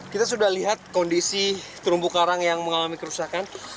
kita sudah lihat kondisi terumbu karang yang mengalami kerusakan